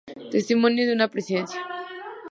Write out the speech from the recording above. Testimonio de una Presidencia.